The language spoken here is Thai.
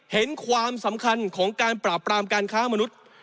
เห็นความสำคัญของการปราบปรามการค้ามนุษย์